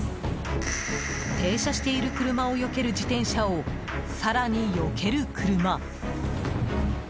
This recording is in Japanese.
停車している車をよける自転車を更によける車。